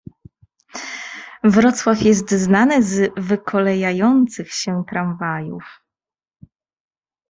Wrocław jest znany z wykolejających się tramwajów.